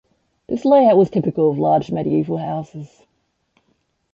This layout was typical of large medieval houses.